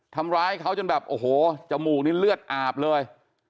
ทำร้ายเขาจนแบบโอ้โหจมูกนี่เลือดอาบเลย